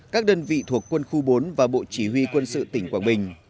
các đơn vị thuộc quân khu bốn và bộ chỉ huy quân sự tỉnh quảng bình